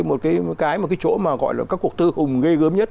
một cái chỗ mà gọi là các cuộc thư hùng ghê gớm nhất